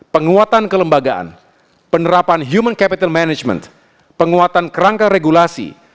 penguatan kelembagaan penerapan human capital management penguatan kerangka regulasi